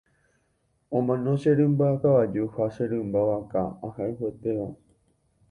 omano che rymba kavaju ha che rymba vaka ahayhuetéva